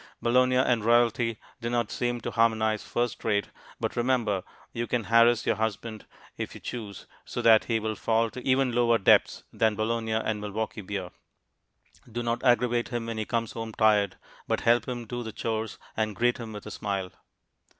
Bologna and royalty do not seem to harmonize first rate, but remember you can harass your husband if you choose, so that he will fall to even lower depths than bologna and Milwaukee beer. Do not aggravate him when he comes home tired, but help him do the chores and greet him with a smile.